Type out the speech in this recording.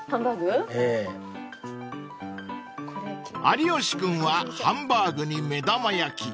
［有吉君はハンバーグに目玉焼き］